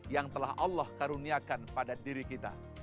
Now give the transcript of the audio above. yang telah allah karuniakan pada diri kita